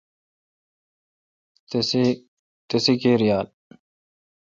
تیس کرایال؟